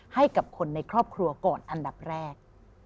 ให้กับคนในครอบครัวก่อนอันดับแรก